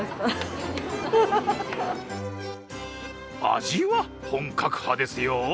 味は本格派ですよ。